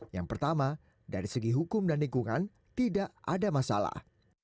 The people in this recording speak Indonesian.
yang pertama dari segi hukum dan lingkungan tidak ada masalah